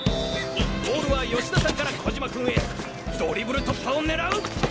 ボールは吉田さんから小嶋君へドリブル突破を狙う！